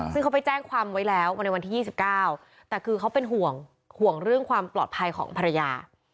ซึ่งเขาไปแจ้งความไว้แล้วมาในวันที่๒๙แต่คือเขาเป็นห่วงห่วงเรื่องความปลอดภัยของภรรยา